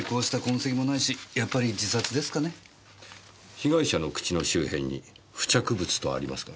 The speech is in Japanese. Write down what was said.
「被害者の口の周辺に付着物」とありますが？